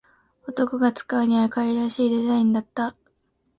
男が使うには可愛らしいデザインだった